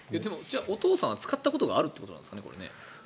お父さんは使ったことがあるということなんですかね。